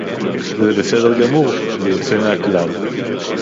זה בסדר גמור, זה יוצא מהכלל